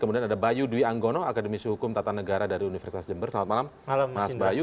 kemudian ada bayu dwi anggono akademisi hukum tata negara dari universitas jember selamat malam mas bayu